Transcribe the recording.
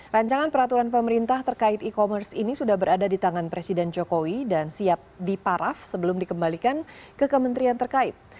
rancangan peraturan pemerintah terkait e commerce ini sudah berada di tangan presiden jokowi dan siap diparaf sebelum dikembalikan ke kementerian terkait